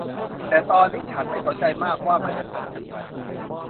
และตอนนี้ฉันไม่สนใจมากว่ามันจะจบอย่างไร